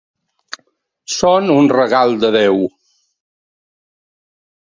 Són un regal de Déu.